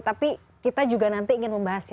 tapi kita juga nanti ingin membahas ya